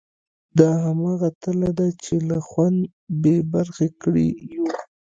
دا همغه تله ده چې له خوند بې برخې کړي یو.